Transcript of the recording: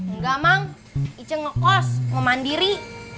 enggak mang ije ngokos mau mandiri